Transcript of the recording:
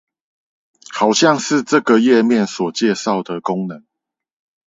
好像是這個頁面所介紹的功能